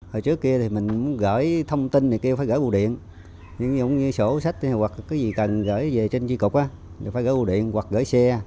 hồi trước kia thì mình gửi thông tin thì kêu phải gửi bù điện nhưng cũng như sổ sách hoặc cái gì cần gửi về trên chi cục thì phải gửi bù điện hoặc gửi xe